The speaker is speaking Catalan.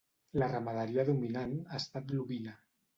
La ramaderia dominant ha estat l'ovina.